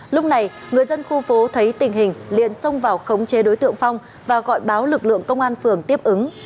lúc này người dân khu phố thấy tình hình liền xông vào khống chế đối tượng phong và gọi báo lực lượng công an phường tiếp ứng